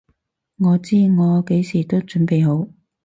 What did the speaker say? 我知我幾時都準備好！